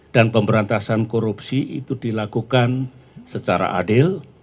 dan pemberantasan korupsi itu dilakukan secara adil